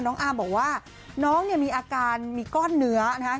น้องอามบอกว่าน้องมีอาการมีก้อนเนื้อนะคะ